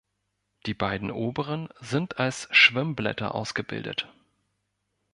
Die beiden oberen sind als Schwimmblätter ausgebildet.